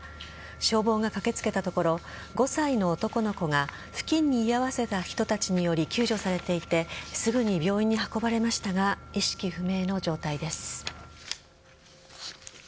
消防が駆け付けたところ５歳の男の子が付近に居合わせた人たちにより救助されていてすぐに病院に運ばれましたが意識不明の状態です。